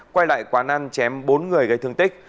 quay lại quán ăn chém bốn người gây thương tích